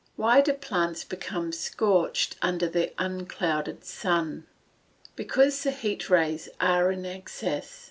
Why do plants become scorched under the unclouded sun? Because the heat rays are in excess.